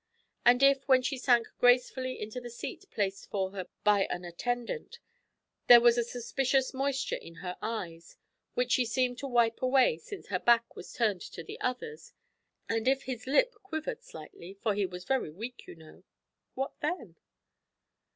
And if, when she sank gracefully into the seat placed for her by an attendant, there was a suspicious moisture in her eyes, which she seemed to wipe away, since her back was turned to the others; and if his lip quivered slightly, for he was very weak you know, what then?